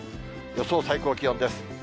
予想最高気温です。